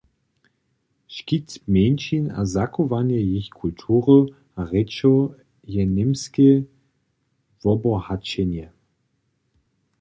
Škit mjeńšin a zachowanje jich kultury a rěčow je Němskej wobohaćenje.